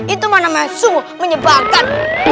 itu mana masuk menyebabkan